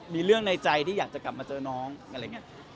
มีเรื่องในใจที่อยากจะกลับมาเจอน้องอะไรอย่างนี้